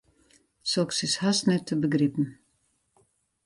Soks is hast net te begripen.